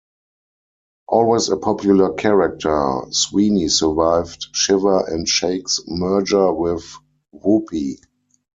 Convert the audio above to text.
Always a popular character, Sweeny survived "Shiver and Shake"s merger with "Whoopee!